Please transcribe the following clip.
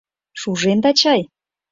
Шуженда чай?